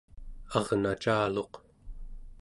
arnacaluq